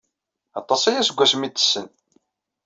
Aṭas aya seg wasmi ay t-tessen.